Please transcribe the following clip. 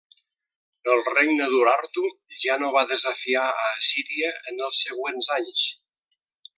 El regne d'Urartu ja no va desafiar a Assíria en els següents anys.